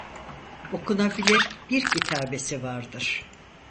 Okunabilir bir kitabesi vardır.